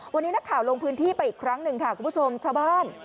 วันนี้นักข่าวลงพื้นที่ไปอีกครั้งหนึ่งค่ะคุณผู้ชมชาวบ้าน